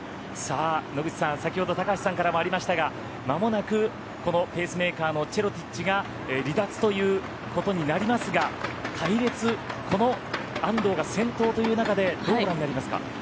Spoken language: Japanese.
野口さん、先ほど高橋さんからもありましたが間もなくこのペースメーカーのチェロティッチが離脱ということになりますが隊列この安藤が先頭という中でどうご覧になりますか？